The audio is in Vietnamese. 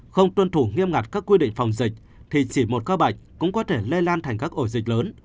không tuân thủ nghiêm ngặt các quy định phòng dịch thì chỉ một ca bệnh cũng có thể lây lan thành các ổ dịch lớn